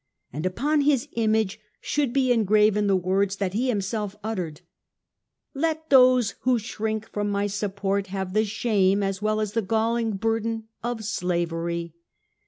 And upon his image should be engraven the words that he himself uttered :" Let those who shrink from my sup port have the shame as well as the galling burden of slavery.